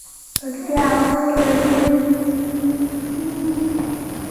پکتیا او خوست لرغونې سیمې دي